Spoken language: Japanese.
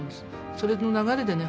それの流れでね